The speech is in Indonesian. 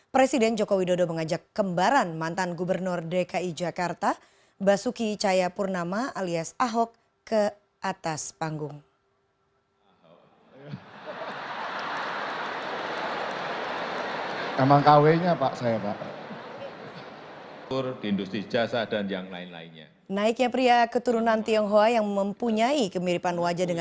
presiden joko widodo mengajak kembaran mantan gubernur dki jakarta basuki chayapurnama alias ahok ke atas panggung